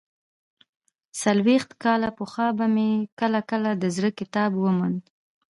څلوېښت کاله پخوا به مې کله کله د زړه کتاب وموند.